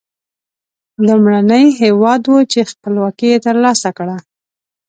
لومړنی هېواد و چې خپلواکي تر لاسه کړه.